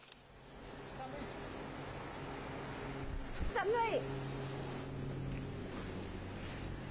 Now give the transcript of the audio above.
寒い。